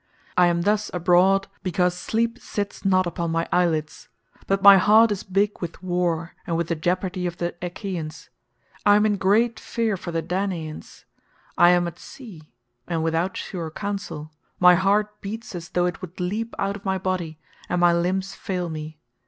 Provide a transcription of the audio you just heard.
I am thus abroad because sleep sits not upon my eyelids, but my heart is big with war and with the jeopardy of the Achaeans. I am in great fear for the Danaans. I am at sea, and without sure counsel; my heart beats as though it would leap out of my body, and my limbs fail me.